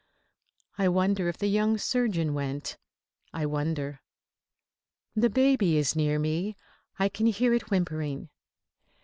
I wonder if the young surgeon went. I wonder The baby is near me. I can hear it whimpering.